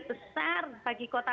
besar bagi kota